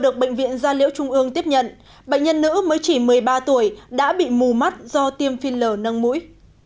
các liễu trung ương tiếp nhận bệnh nhân nữ mới chỉ một mươi ba tuổi đã bị mù mắt do tiêm phi lờ nâng mũi